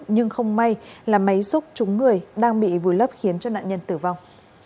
nhưng không may là máy xúc trúng người đang bị vùi lấp khiến cho nạn nhân tử vong